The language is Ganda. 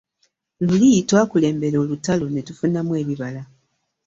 Luli twakulembera olutalo ne tufunamu ebibala.